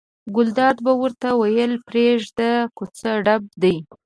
ګلداد به ورته ویل پرېږده یې کوڅه ډب دي.